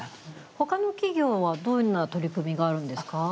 他の企業はどんな取り組みがあるんですか。